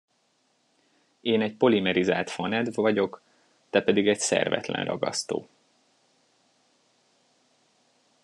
Én egy polimerizált fanedv vagyok, te pedig egy szervetlen ragasztó.